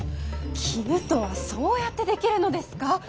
絹とはそうやって出来るのですか。